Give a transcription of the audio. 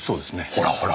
ほらほら。